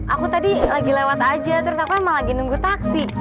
aku tadi lagi lewat aja terus aku emang lagi nunggu taksi